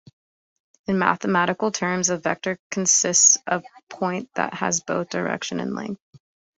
In mathematical terms, a vector consists of point that has both direction and length.